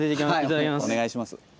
はいお願いします。